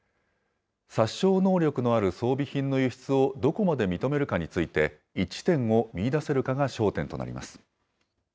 殺傷能力のある装備品の輸出をどこまで認めるかについて、一致点を見いだせるかが焦点となります。